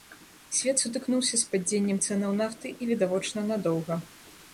Свет сутыкнуўся з падзеннем цэнаў нафты, і, відавочна, надоўга.